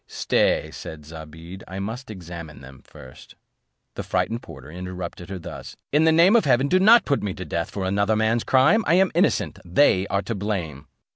"Stay," said Zobeide, "I must examine them first." The frightened porter interrupted her thus: "In the name of heaven, do not put me to death for another man's crime. I am innocent; they are to blame."